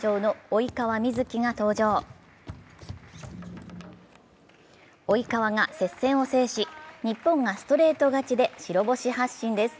及川が接戦を制し、日本がストレート勝ちで白星発進です。